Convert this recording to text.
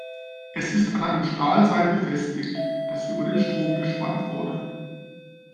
Es ist an einem Stahlseil befestigt, das über den Strom gespannt wurde.